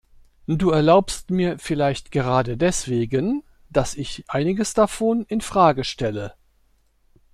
Du erlaubst mir vielleicht gerade deswegen, dass ich einiges davon in Frage stelle.